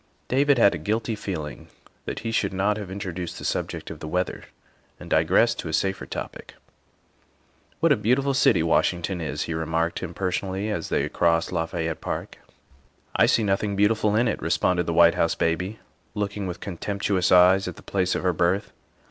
'' David had a guilty feeling that he should not have introduced the subject of the weather and digressed to a safer topic. '' What a beautiful city Washington is, '' he remarked impersonally as they crossed Lafayette Park. " I see nothing beautiful in it, '' responded the White House Baby, looking with contemptuous eyes at the place of her birth.